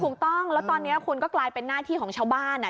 ถูกต้องแล้วตอนนี้คุณก็กลายเป็นหน้าที่ของชาวบ้าน